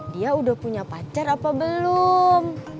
dia udah punya pacar apa belum